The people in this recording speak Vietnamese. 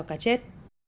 và gió cá chết